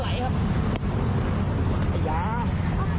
แม่น้ำจาว